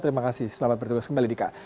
terima kasih selamat bertugas kembali dika